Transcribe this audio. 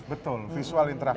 betul visual interaktif